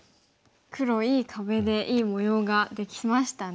黒いい壁でいい模様ができましたね。